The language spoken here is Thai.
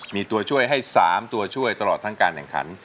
มีตัวช่วยให้๓ตัวช่วยตลอดทั้งการแข่งขัน